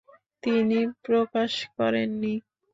তিনি প্রকাশ করেন নি।